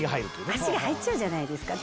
脚が入っちゃうじゃないですか。